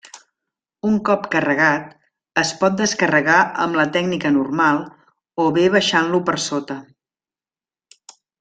Un cop carregat, es pot descarregar amb la tècnica normal o bé baixant-lo per sota.